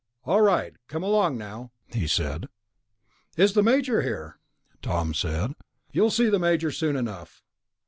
"All right, come along now," he said. "Is the Major here?" Tom said. "You'll see the Major soon enough."